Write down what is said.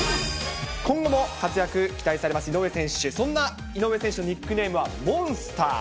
今後も活躍期待されます井上選手、そんな井上選手のニックネームはモンスター。